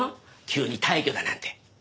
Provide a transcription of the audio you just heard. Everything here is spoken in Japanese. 急に退去だなんて。